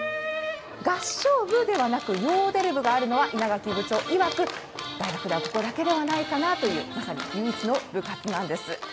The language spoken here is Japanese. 合唱部ではなくヨーデル部があるのは稲垣部長いわく大学ではここだけではないかなという、まさに唯一の部活なんです。